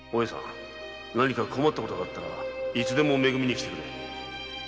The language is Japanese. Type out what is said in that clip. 何か困ったことがあったらいつでも「め組」にきてくれ！